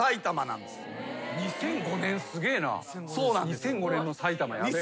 ２００５年の埼玉ヤベえ。